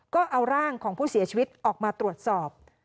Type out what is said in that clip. ก็เอาร่างของผู้เสียชีวิตออกมาตรวจสอบ